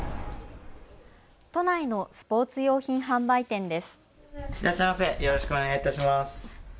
都内のスポーツ用品販売店です。